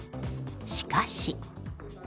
しかし。